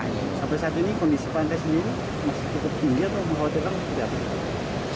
sampai saat ini kondisi pantai sendiri masih cukup tinggi atau menghutirkan